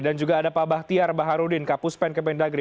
dan juga ada pak bahtiar baharudin kapuspen kependagri